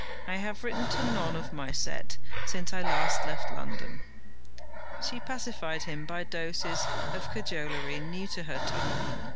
I have written to none of my set since I last left London.' She pacified him by doses of cajolery new to her tongue.